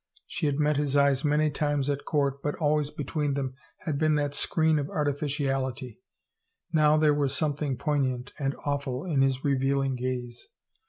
She had met his eyes many times at court, but always between them had been that screen of artificiality ; now there was something poignant and awful in his revealing gaze.